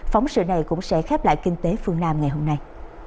phóng sự này cũng sẽ khép lại kinh tế phương nam ngày hôm nay